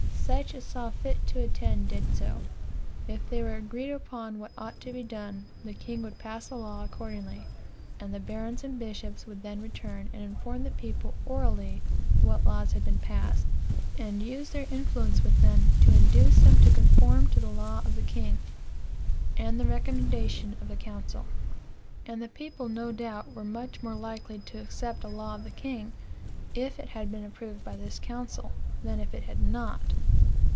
Such as saw fit to attend, did so. If they were agreed upon what ought to be done, the king would pass a law accordingly, and the barons and bishops would then return and inform the people orally what laws had been passed, and use their influence with them to induce them to conform to the law of the king, and the recommendation of the council. ' And the people no doubt were much more likely to accept a law of the king, if it had been approved by this council, than if it had not.